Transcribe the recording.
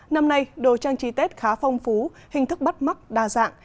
năm nay đồ trang trí tết khá phong phú hình thức bắt mắt đa dạng